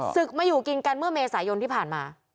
ศึกมาอยู่กินกันเมื่อเมษายนที่ผ่านมา